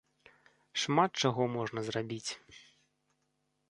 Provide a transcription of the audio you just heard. Шмат чаго можна зрабіць.